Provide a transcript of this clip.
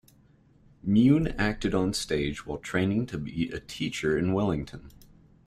Mune acted on stage while training to be a teacher in Wellington.